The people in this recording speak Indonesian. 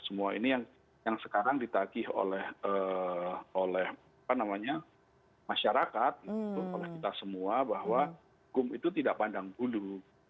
semua ini yang sekarang ditagih oleh masyarakat oleh kita semua bahwa hukum itu tidak pandang bulu